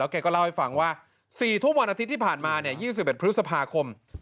แกก็เล่าให้ฟังว่าสี่ทุ่มวันอาทิตย์ที่ผ่านมาเนี่ยยี่สิบเอ็ดพฤษภาคม